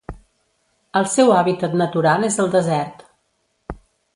El seu hàbitat natural és el desert.